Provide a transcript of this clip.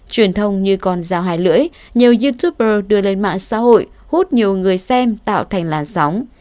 truyền thông như con dao hai lưỡi nhiều youtuber đưa lên mạng xã hội hút nhiều người xem tạo thành làn sóng